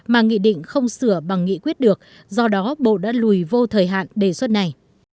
mà nghị định không sửa bằng nghị quyết được do đó bộ đã lùi vô thời hạn đề xuất này